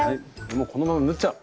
もうこのまま縫っちゃおう。